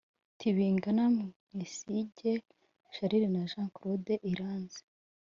Tibingana Mwesigye Charles na Jean Claude Iranzi